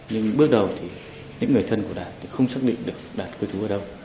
nhưng bước đầu thì những người thân của đạt thì không xác định được đạt quê thú ở đâu